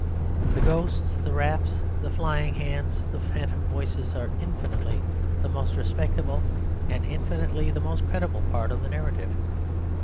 The ghosts, the raps, the flying hands, the phantom voices are infinitely the most respectable and infinitely the most credible part of the narrative.